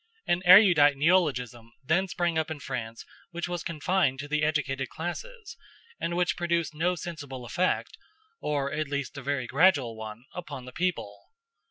An erudite neologism then sprang up in France which was confined to the educated classes, and which produced no sensible effect, or at least a very gradual one, upon the people.